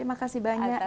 terima kasih banyak